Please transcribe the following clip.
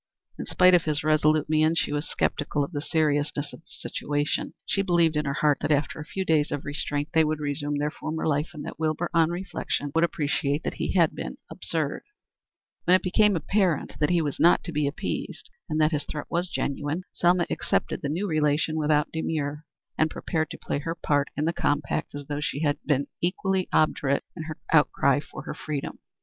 In spite of his resolute mien she was sceptical of the seriousness of the situation. She believed in her heart that after a few days of restraint they would resume their former life, and that Wilbur, on reflection, would appreciate that he had been absurd. When it became apparent that he was not to be appeased and that his threat had been genuine, Selma accepted the new relation without demur, and prepared to play her part in the compact as though she had been equally obdurate in her outcry for her freedom.